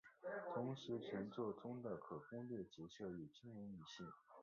同时全作中的可攻略角色也均为女性。